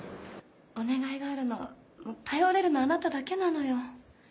お願いがあるの頼れるのあなただけなのよ。